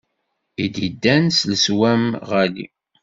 I d-iddan s leswam ɣali.